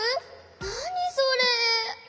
なにそれ？